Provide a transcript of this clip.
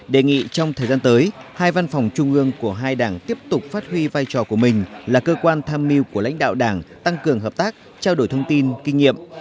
đề nghị trong thời gian tới hai văn phòng trung ương của hai đảng tiếp tục phát huy vai trò của mình là cơ quan tham mưu của lãnh đạo đảng tăng cường hợp tác trao đổi thông tin kinh nghiệm